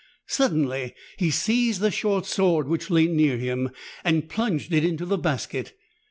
Suddenly he seized the short sword which lay near him and plunged it into the basket.